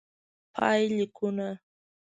پایلیکونه: